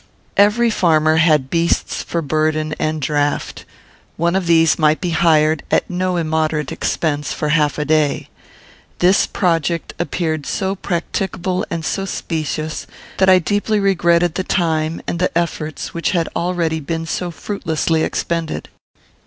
Every farmer had beasts for burden and draught. One of these might be hired, at no immoderate expense, for half a day. This project appeared so practicable and so specious, that I deeply regretted the time and the efforts which had already been so fruitlessly expended.